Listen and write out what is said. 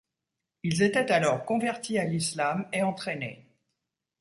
Ils étaient alors convertis à l'Islam et entraînés.